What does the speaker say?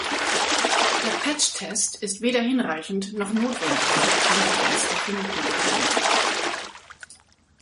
Der Patch-Test ist weder hinreichend noch notwendig für die Konvergenz der finiten Elemente.